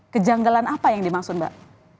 kejanggalan apa yang dimaksud mbak